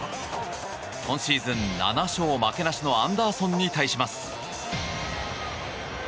今シーズン７勝負けなしのアンダーソンに対します。